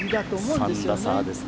３打差ですね。